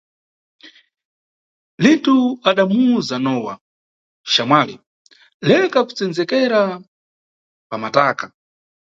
Litu adamuwuza Nowa: Xamwali, leka kusendzekera pamataka.